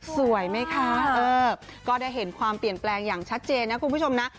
สวยไหมคะก็ได้เห็นความเปลี่ยนแปลงอย่างชัดเจนนะคุณผู้ชมนะ